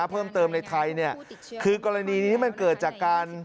เพิ่มเติมในไทยเนี่ยคือกรณีนี้มันเกิดจากการ